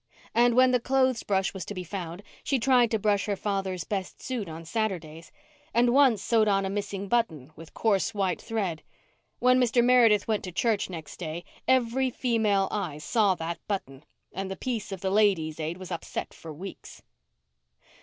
And when the clothes brush was to be found she tried to brush her father's best suit on Saturdays, and once sewed on a missing button with coarse white thread. When Mr. Meredith went to church next day every female eye saw that button and the peace of the Ladies' Aid was upset for weeks.